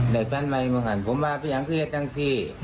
ในพันธุ์ใหม่เมืองศาลผมมาไปอังกฤษทั้งสี่